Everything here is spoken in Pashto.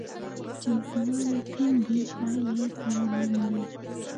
که چمتووالی کم وي پایله یې تاوان وي